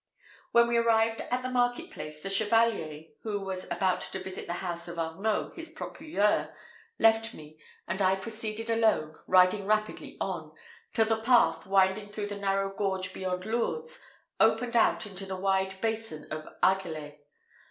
When we arrived at the market place, the Chevalier, who was about to visit the house of Arnault, his procureur, left me, and I proceeded alone, riding rapidly on, till the path, winding through the narrow gorge beyond Lourdes, opened out into the wide basin of Argelés.